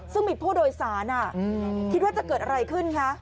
ซึ่งมีผู้โดยสารคิดว่าจะเกิดอะไรขึ้นคะ